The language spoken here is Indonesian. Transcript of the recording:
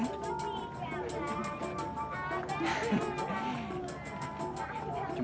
dan kebelah pulangnya